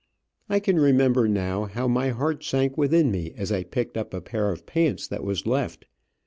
I can remember now how my heart sank within me, as I picked up a pair of pants that was left.